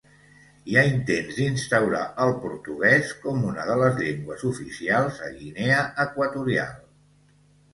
Hi ha intents d'instaurar el portuguès com una de les llengües oficials a Guinea Equatorial.